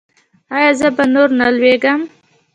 ایا زه به نور نه لویږم؟